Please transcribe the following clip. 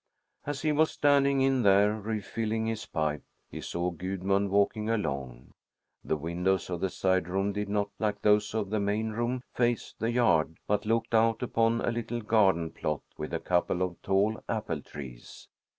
As he was standing in there, refilling his pipe, he saw Gudmund walking along. The windows of the side room did not, like those of the main room, face the yard, but looked out upon a little garden plot with a couple of tall apple trees.